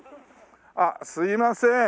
あっすいません。